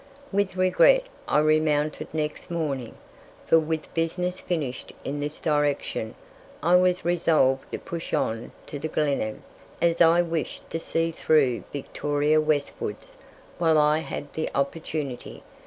With regret I remounted next morning, for with business finished in this direction, I was resolved to push on to the Glenelg, as I wished to see through Victoria westwards while I had the opportunity.